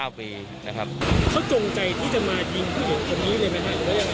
เขาจงใจที่จะมายิงผู้หญิงคนนี้เลยไหมคะหรือว่ายังไง